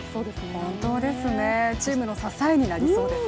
本当ですね、チームの支えになりそうです。